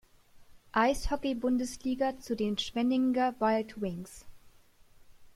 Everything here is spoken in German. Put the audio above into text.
Eishockey-Bundesliga zu den Schwenninger Wild Wings.